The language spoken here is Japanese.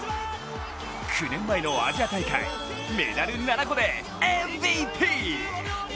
９年前のアジア大会メダル７個でＭＶＰ！